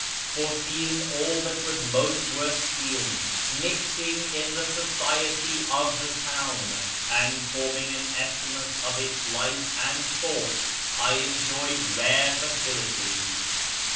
For seeing all that was most worth seeing, mixing in the society of the town, and forming an estimate of its life and thought, I enjoyed rare facilities.